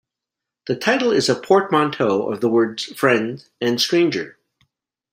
The title is a portmanteau of the words "friend" and "stranger".